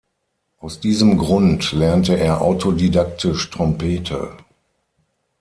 Aus diesem Grund lernte er autodidaktisch Trompete.